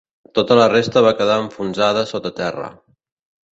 Tota la resta va quedar enfonsada sota terra.